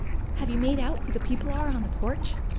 "Have you made out who the people are on the porch?"